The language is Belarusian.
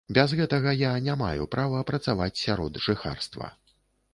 Без гэтага я не маю права працаваць сярод жыхарства.